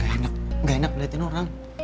gak enak gak enak liatin orang